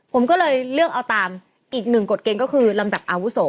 ผมก็เลยเลือกเอาตามอีกหนึ่งกฎเกณฑ์ก็คือลำดับอาวุโส